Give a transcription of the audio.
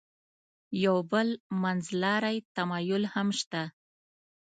یو بل منځلاری تمایل هم شته.